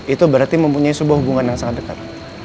itu berarti mempunyai sebuah hubungan yang sangat dekat